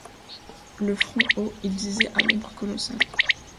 Le front haut, ils disaient à l’ombre colossale :